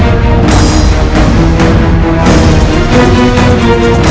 aku akan menang